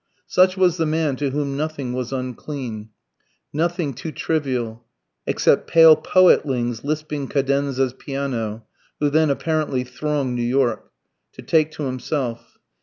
Such was the man to whom nothing was unclean, nothing too trivial (except "pale poetlings lisping cadenzas piano," who then apparently thronged New York) to take to himself.